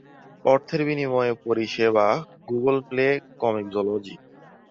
অর্থের বিনিময়ে পরিষেবা: গুগল প্লে, কমিক্সোলজি।